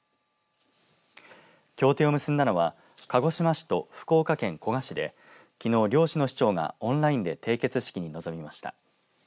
協定を結んだのは鹿児島市と福岡県古賀市できのう両市の市長がオンラインで締結式に臨みました。